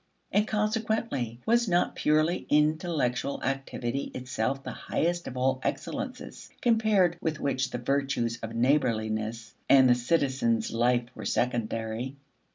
And consequently was not purely intellectual activity itself the highest of all excellences, compared with which the virtues of neighborliness and the citizen's life were secondary?